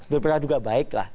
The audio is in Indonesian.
berperan juga baik lah